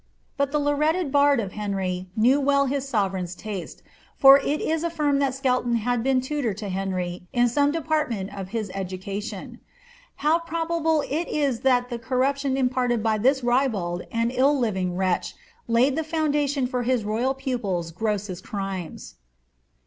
But the laureated bard of Henry knew well his sovereign's taste, for it is affirmed that Skelton had been tutor to Henry in some department of his education. How jMrobable it is that the corruption imparted by this ribald and illrliving wretch laid the foun dation for his royal pupil's grossest crimes